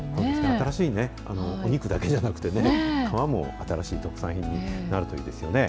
新しいお肉だけじゃなくて、皮も新しい特産品になるといいですよね。